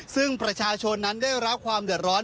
ซึ่งประชาชนนั้นได้รับความเดือดร้อน